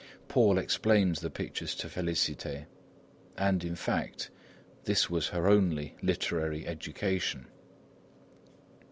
Paul explained the pictures to Félicité. And, in fact, this was her only literary education.